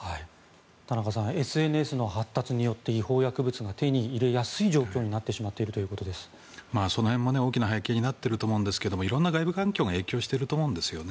田中さんＳＮＳの発達によって違法薬物が手に入れやすい状況になってしまっているその辺も大きな背景になっていると思うんですが色んな外部環境が影響していると思うんです。